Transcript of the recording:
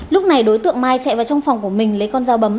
lúc này đối tượng mai chạy vào trong phòng của mình lấy con dao bấm